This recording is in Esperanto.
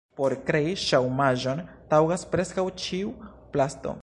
Por krei ŝaumaĵon taŭgas preskaŭ ĉiu plasto.